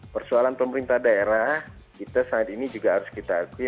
persoalan pemerintah daerah kita saat ini juga harus kita akui